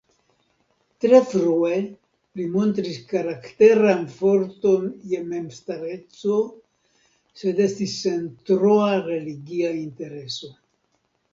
Tre frue li montris karakteran forton je memstareco sed estis sen troa religia intereso.